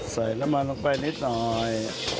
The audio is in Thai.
ใส่น้ำมันลงไปนิดหน่อย